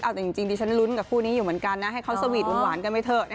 เอาแต่จริงดิฉันลุ้นกับคู่นี้อยู่เหมือนกันนะให้เขาสวีทหวานกันไปเถอะ